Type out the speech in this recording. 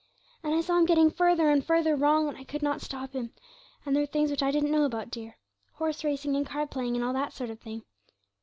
And I saw him getting further and further wrong, and I could not stop him, and there were things which I didn't know about, dear horse racing, and card playing, and all that sort of thing.